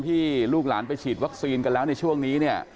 ลูกหลานไปฉีดวัคซีนกันแล้วในช่วงนี้เนี่ย